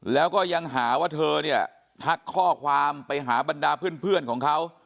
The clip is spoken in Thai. แล้วก็ยังหาว่าเธอเนี่ยทักข้อความไปหาบรรดาเพื่อนของเขา